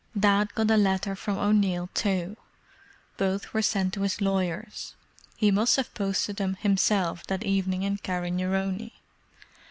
"Dad got a letter from O'Neill too—both were sent to his lawyers; he must have posted them himself that evening in Carrignarone.